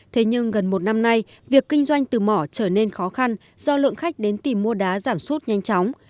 thế nhưng gần một năm nay việc kinh doanh từ mỏ trở nên khó khăn do lượng khách đến tìm mua đá giảm suốt nhanh chóng